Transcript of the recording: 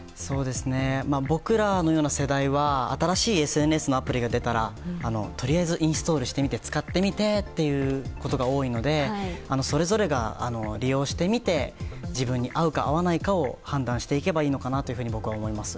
僕らのような世代は新しいＳＮＳのアプリが出たらとりあえずインストールしてみて使ってみてということが多いのでそれぞれが利用してみて自分に合うか合わないかを判断していけばいいのかなと僕は思います。